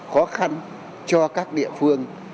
khó khăn cho các địa phương